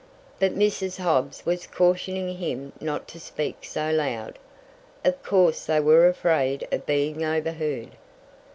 But Mrs. Hobbs was cautioning him not to speak so loud. Of course they were afraid of being overheard.